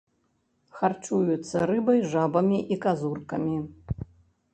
Харчуецца рыбай, жабамі і казуркамі.